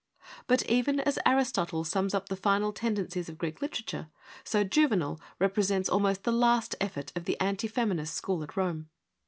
But, even as Aristotle sums up the INTRODUCTION final tendencies of Greek literature, so Juvenal represents almost the last effort of the anti feminist school at Rome.